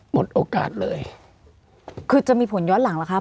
หมดโอกาสเลยคือจะมีผลย้อนหลังล่ะค่ะ